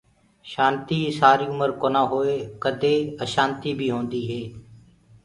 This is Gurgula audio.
شآنتي سآري اُمر ڪونآ هوئي ڪدي اشآنتي بي هوندي هي